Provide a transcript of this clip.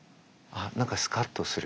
何かスカッとする。